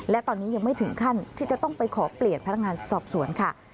และตอนนี้ยังไม่ถึงขั้นที่จะต้องไปขอเปลี่ยนพนักงานสอบสวนค่ะ